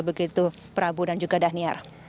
begitu prabu dan juga dhaniar